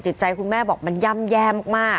ก็เป็นสถานที่ตั้งมาเพลงกุศลศพให้กับน้องหยอดนะคะ